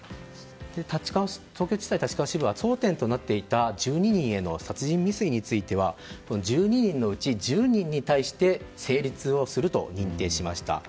東京地裁立川支部は争点となっていた１２人への殺害未遂については１２人のうち１０人に対して成立をすると認定しました。